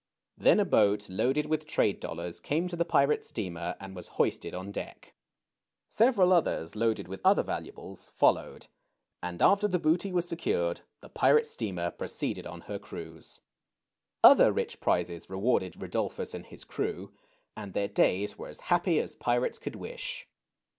Then a boat loaded with trade dollars came to the pirate steamer and was hoisted on deck. Several others, loaded with other valuables, followed ; and after the booty was secured, the pirate steamer proceeded on her cruise. 242 THE CHILDREN'S WONDER BOOK. Other rich prizes rewarded Rudolphus and his crew, and their days were as happy as pirates could wish.